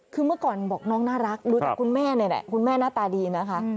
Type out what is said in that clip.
คือเมื่อก่อนบอกน้องน่ารักดูจากคุณแม่นี่แหละคุณแม่หน้าตาดีนะคะ